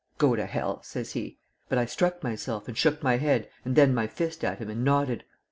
'Go to hell,' says he. But I struck myself and shook my head and then my fist at him and nodded.